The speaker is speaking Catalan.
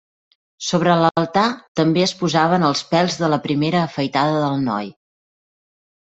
Sobre l'altar també es posaven els pèls de la primera afaitada del noi.